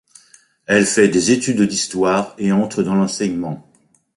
Elle fait des études d'histoire et entre dans l'enseignement.